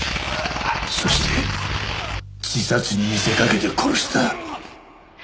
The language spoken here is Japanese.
そして自殺に見せかけて殺した。